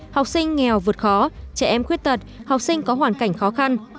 học sinh nghèo vượt khó trẻ em khuyết tật học sinh có hoàn cảnh khó khăn